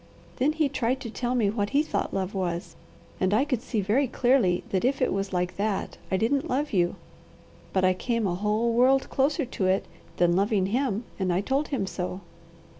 Then he tried to tell me what he thought love was, and I could see very clearly that if it was like that, I didn't love you, but I came a whole world closer it than loving him, and I told him so.